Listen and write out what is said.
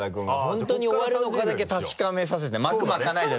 本当に終わるのかだけ確かめさせて。